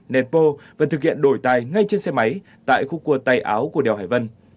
nét bô và thực hiện đổi tay ngay trên xe máy tại khu cua tay áo của đèo hải vân